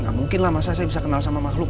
gak mungkin lah masa saya bisa kenal sama makhluk